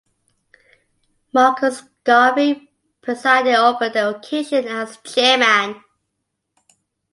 Marcus Garvey presided over the occasion as Chairman.